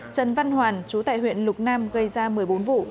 trần văn hoàn chú tại huyện lục nam gây ra một mươi bốn vụ